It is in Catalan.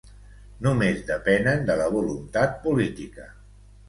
Només depenen de la voluntat política.